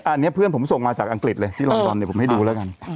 อันนี้เพื่อนผมส่งมาจากอังกฤษเลยที่ลอนดอนเนี่ยผมให้ดูแล้วกัน